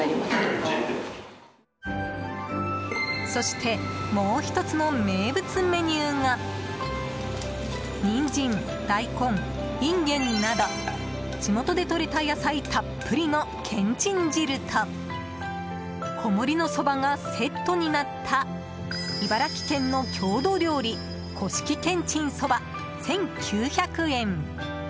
そしてもう１つの名物メニューがニンジン、大根、インゲンなど地元でとれた野菜たっぷりのけんちん汁と小盛りのそばがセットになった茨城県の郷土料理古式けんちんそば、１９００円。